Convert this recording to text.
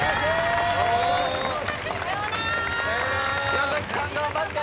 岩崎さん頑張って！